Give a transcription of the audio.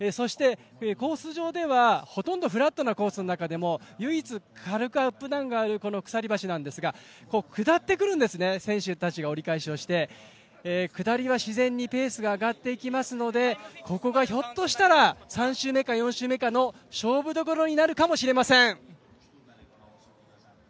コース上ではフラットなコースの中でも唯一軽くアップダウンのあるこの鎖橋なんですけど、下ってくるんです、選手が折り返しをして下りは自然にペースが上がっていくのでここがひょっとしたら３周目か４周目の勝負どころになるかもしれません。